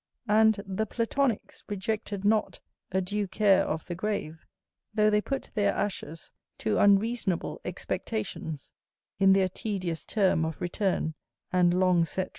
And the Platonicks rejected not a due care of the grave, though they put their ashes to unreasonable expectations, in their tedious term of return and long set revolution.